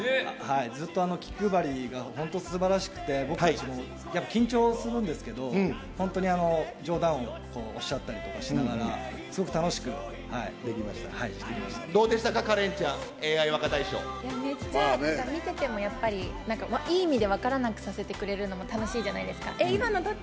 ずっと気配りが本当にすばらしくて、僕たちも緊張するんですけど、本当に冗談をおっしゃったりとかしながら、すごく楽しくできましどうでしたか、カレンちゃん、めっちゃ、見ててもやっぱり、いい意味で分からなくさせてくれるのも楽しいじゃないですか。